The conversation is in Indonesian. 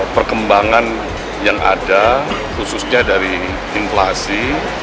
perkembangan yang ada khususnya dari inflasi